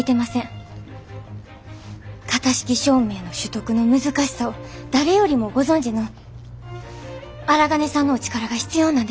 型式証明の取得の難しさを誰よりもご存じの荒金さんのお力が必要なんです。